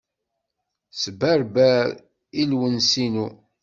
Sberber i lwens-inu.